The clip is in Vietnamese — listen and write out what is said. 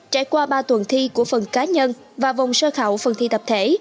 trải qua ba tuần thi của phần cá nhân và vòng sơ khảo phần thi tập thể